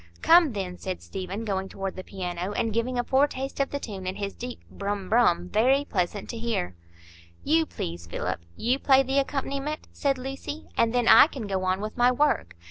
"Come, then," said Stephen, going toward the piano, and giving a foretaste of the tune in his deep "brum brum," very pleasant to hear. "You, please, Philip,—you play the accompaniment," said Lucy, "and then I can go on with my work.